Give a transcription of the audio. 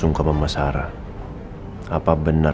dengar mobil direko ya